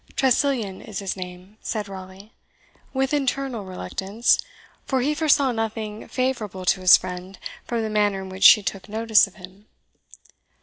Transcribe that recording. "Tressilian is his name," said Raleigh, with internal reluctance, for he foresaw nothing favourable to his friend from the manner in which she took notice of him.